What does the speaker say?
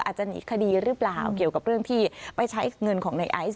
อาจจะหนีคดีหรือเปล่าเกี่ยวกับเรื่องที่ไปใช้เงินของในไอซ์